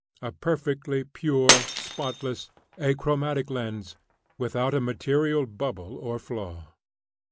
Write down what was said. a perfectly pure, spotless, achromatic lens, without a material bubble or flaw!